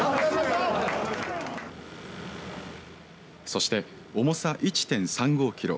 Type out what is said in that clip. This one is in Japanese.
そして重さ１．３５キロ